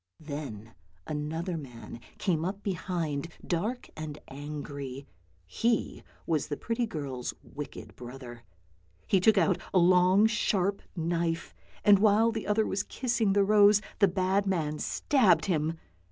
Then another man came up behind, dark and angry; he was the pretty girl's wicked brother. He took out a long sharp knife, and while the other was kissing the rose the bad man stabbed him.